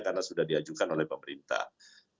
karena sudah diajukan oleh pemerintah ini